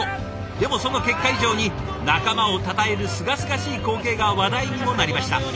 でもその結果以上に仲間をたたえるすがすがしい光景が話題にもなりました。